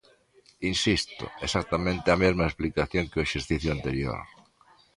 Insisto: exactamente a mesma explicación que o exercicio anterior.